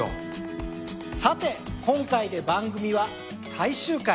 さて今回で番組は最終回。